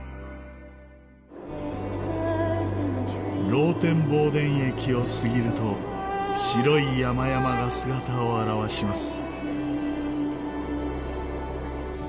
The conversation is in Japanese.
ローテンボーデン駅を過ぎると白い山々が姿を現します。